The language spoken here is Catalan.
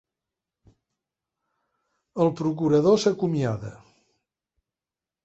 El procurador s'acomiada.